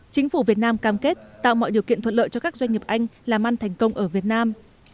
chính phủ việt nam cam kết tạo mọi điều kiện thuận lợi cho các doanh nghiệp anh làm ăn thành công ở việt nam